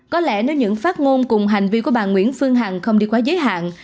có lẽ nếu những phát ngôn cùng hành vi của bà nguyễn phương hằng không đi quá giới hạn